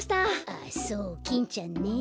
あそうキンちゃんね。